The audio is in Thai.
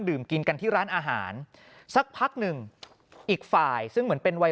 กินกันที่ร้านอาหารสักพักหนึ่งอีกฝ่ายซึ่งเหมือนเป็นวัย